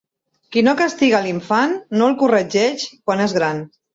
Qui no castiga l'infant no el corregeix quan és gran.